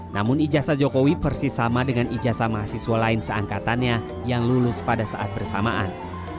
namun ijazah jokowi persis sama dengan ijazah mahasiswa lain seangkatannya yang lulus pada saat bersamaan